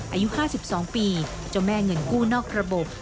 อายุ๕๒ปีเจ้าแม่เงินกู้นอกระบบ